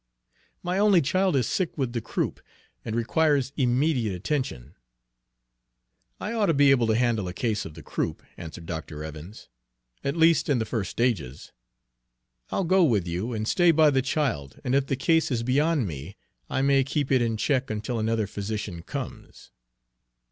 "My only child is sick with the croup, and requires immediate attention." "I ought to be able to handle a case of the croup," answered Dr. Evans, "at least in the first stages. I'll go with you, and stay by the child, and if the case is beyond me, I may keep it in check until another physician comes."